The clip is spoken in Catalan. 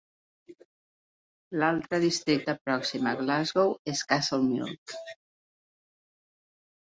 L'altre districte pròxim a Glasgow és Castlemilk.